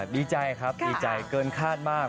ดีใจครับดีใจเกินคาดมาก